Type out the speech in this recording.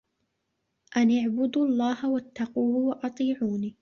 أَنِ اعبُدُوا اللَّهَ وَاتَّقوهُ وَأَطيعونِ